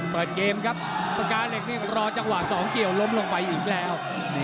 เปิดเกมครับปากกาเหล็กนี่รอจังหวะสองเกี่ยวล้มลงไปอีกแล้ว